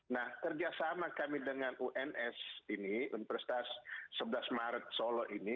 nah kerjasama kami dengan uns ini universitas sebelas maret solo ini